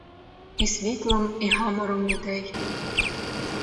І світлом, і гамором людей.